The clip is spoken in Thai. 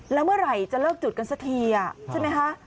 แล้วเมื่อไหร่จะเลิกจุดกันสักทีใช่ไหมคะ